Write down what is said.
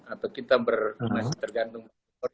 atau kita masih tergantung